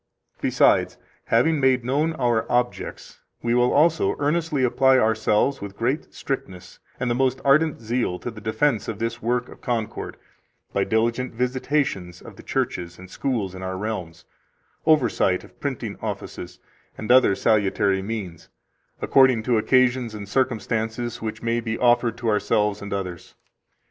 24 Besides, having made known our objects, we will also earnestly apply ourselves with great strictness and the most ardent zeal to the defense of this work of concord, by diligent visitations of the churches and schools in our realms, oversight of printing offices, and other salutary means, according to occasions and circumstances which may be offered to ourselves and others.